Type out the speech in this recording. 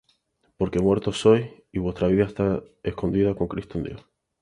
Porque muertos sois, y vuestra vida está escondida con Cristo en Dios.